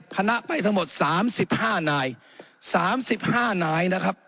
คณะไปทั้งหมดสามสิบห้านายสามสิบห้านายนะครับ